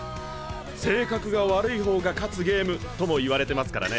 性格が悪い方が勝つゲームとも言われてますからね。